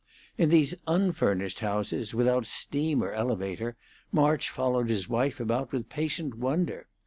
In these unfurnished houses, without steam or elevator, March followed his wife about with patient wonder.